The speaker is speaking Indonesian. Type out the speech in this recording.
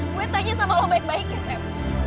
gue tanya sama lo baik baik ya sam